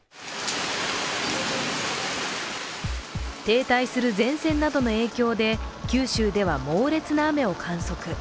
停滞する前線などの影響で九州では猛烈な雨を観測。